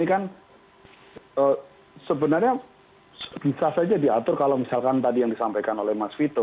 ini kan sebenarnya bisa saja diatur kalau misalkan tadi yang disampaikan oleh mas vito